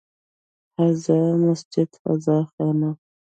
هذا مسجد، هذا خانه